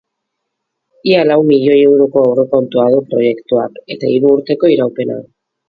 Ia lau milioi euroko aurrekontua du proiektuak, eta hiru urteko iraupena.